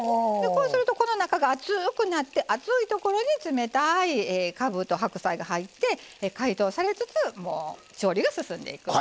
こうすると、中が熱くなって、熱いところに冷たいかぶと白菜が入って解凍されつつ調理が進んでいく。